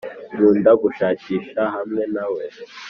nkunda gushakisha hamwe nawe